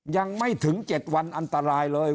ยังไม่ถึง๗วันอันตรายเลย